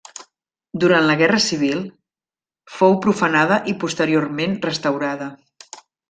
Durant la Guerra de Civil, fou profanada i posteriorment restaurada.